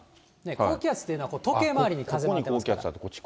高気圧っていうのは、時計回りに風が吹いてますから。